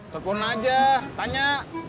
tepun aja tanya